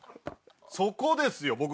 そこですよ！